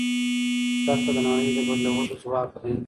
زده کړه د نړۍ د بدلولو ځواک دی.